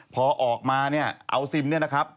พอออกมาเอาซิมนี้นะครับ